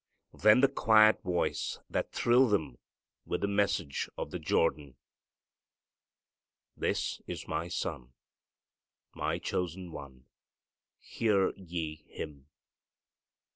Then the quiet voice that thrilled them with the message of the Jordan, "This is My Son; My Chosen One: hear ye Him."